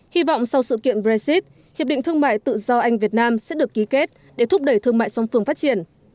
hy vọng sau sự kiện brexit hiệp định thương mại tự do anh việt nam sẽ được ký kết để thúc đẩy thương mại song phương phát triển